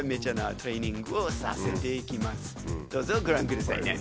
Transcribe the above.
どうぞご覧くださいね。